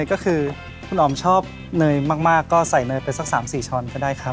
ก็คือคุณออมชอบเนยมากก็ใส่เนยไปสัก๓๔ช้อนก็ได้ครับ